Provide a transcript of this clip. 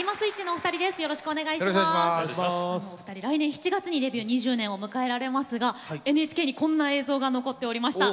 お二人来年７月にデビュー２０年を迎えられますがＮＨＫにこんな貴重な映像が残っておりました。